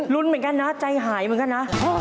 รุ้นเหมือนกันนะใจหายเหมือนกันนะ